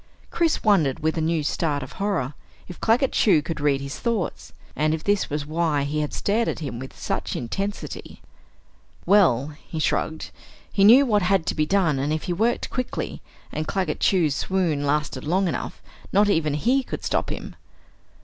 Chris wondered, with a new start of horror, if Claggett Chew could read his thoughts, and if this was why he had stared at him with such intensity. Well, he shrugged, he knew what had to be done and if he worked quickly, and Claggett Chew's swoon lasted long enough, not even he could stop him.